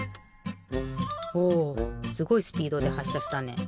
おすごいスピードではっしゃしたね。